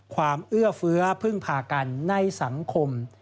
ความเอื้อเฟื้อเพื่องพากันในสังคม